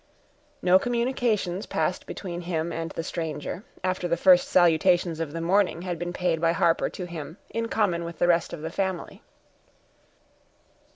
No communications passed between him and the stranger, after the first salutations of the morning had been paid by Harper to him, in common with the rest of the family.